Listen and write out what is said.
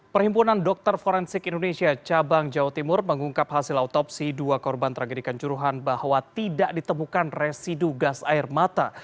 perhimpunan dokter forensik indonesia cabang jawa timur mengungkap hasil autopsi dua korban tragedikan juruhan bahwa tidak ditemukan residu gas air mata